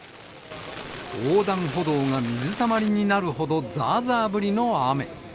横断歩道が水たまりになるほど、ざーざー降りの雨。